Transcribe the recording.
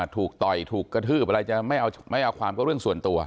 ต่อยถูกกระทืบอะไรจะไม่เอาความก็เรื่องส่วนตัว